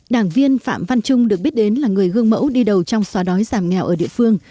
đảng viên phạm văn trung được biết đến là người gương mẫu đi đầu trong xóa đói giảm nghèo ở địa phương